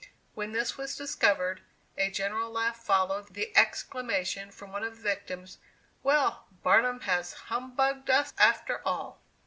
When this was discovered, a general laugh followed the exclamation from one of the victims, "Well, Barnum has humbugged us after all!"